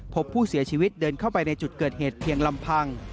พบผู้เสียชีวิตเดินเข้าไปในจุดเกิดเหตุเพียงลำพัง